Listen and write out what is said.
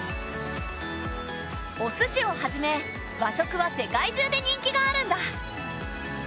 おすしをはじめ和食は世界中で人気があるんだ。